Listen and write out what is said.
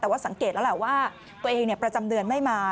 แต่ว่าสังเกตแล้วแหละว่าตัวเองประจำเดือนไม่มา